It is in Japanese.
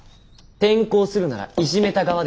転校するならいじめた側でしょう。